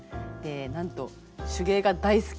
なんと手芸が大好きで。